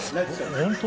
本当？